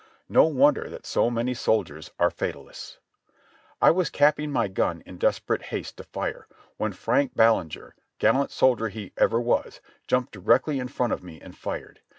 No wonder that so many sol diers are fatalists. I was capping my gun in desperate haste to fire, when Frank Ballenger, gallant soldier he ever was, jumped directly in front of me and fired.